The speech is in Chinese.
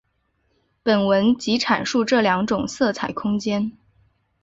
本文即阐述这两种色彩空间。